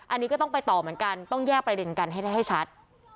อันนี้ก็ต้องไปต่อเหมือนกันต้องแยกประเด็นกันให้ได้ให้ชัด